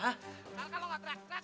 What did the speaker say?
kalau lo gak teriak teriak